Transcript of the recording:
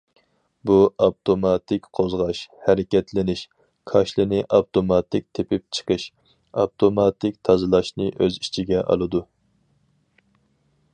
بۇ ئاپتوماتىك قوزغاش، ھەرىكەتلىنىش، كاشىلىنى ئاپتوماتىك تېپىپ چىقىش، ئاپتوماتىك تازىلاشنى ئۆز ئىچىگە ئالىدۇ.